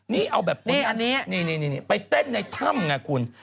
นี่เอาแบบนี้นี่ไปเต้นในถ้ำไงคุณ